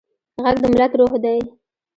غږ د ملت روح دی